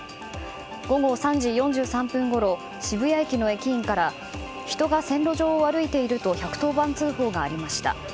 午後３時４３分ごろ渋谷駅の駅員から人が線路上を歩いていると１１０番通報がありました。